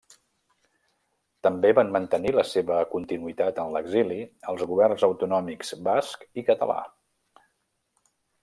També van mantenir la seva continuïtat en l'exili els governs autonòmics basc i català.